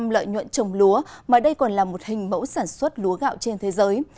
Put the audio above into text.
năm mươi lợi nhuận trồng lúa mà đây còn là một hình mẫu sản xuất lúa gạo trên thế giới